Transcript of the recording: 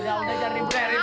kamu salah mulu sama mak lo